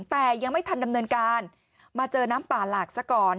แต่ยังไม่ทันดำเนินการมาเจอน้ำป่าหลากซะก่อน